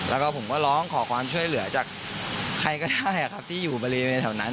แล้วก็ผมก็ร้องขอความช่วยเหลือจากใครก็ได้ครับที่อยู่บริเวณแถวนั้น